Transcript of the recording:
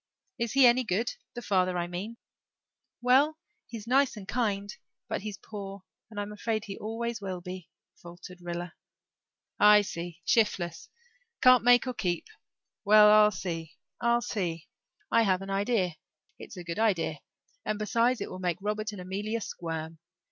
"Is he any good the father, I mean?" "Well he's kind and nice but he's poor and I'm afraid he always will be," faltered Rilla. "I see shiftless can't make or keep. Well, I'll see I'll see. I have an idea. It's a good idea, and besides it will make Robert and Amelia squirm.